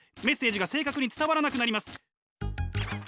メッセージが正確に伝わらなくなります。